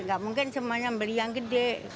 nggak mungkin semuanya beli yang gede